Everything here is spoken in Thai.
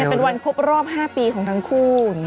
เป็นวันครบรอบ๕ปีของทั้งคู่